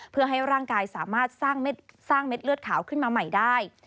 เพื่อให้ร่างกายสามารถสร้างเม็ดเลือดขาวขึ้นมาใหม่ได้